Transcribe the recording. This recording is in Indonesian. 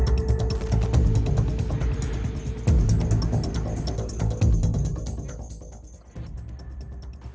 pelaku terkena sabetan pisau menyerang kembali ke kawasan jalan parang